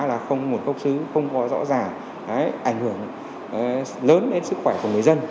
là không nguồn gốc xứ không có rõ ràng ảnh hưởng lớn đến sức khỏe của người dân